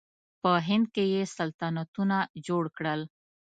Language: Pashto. په هند کې یې سلطنتونه جوړ کړل.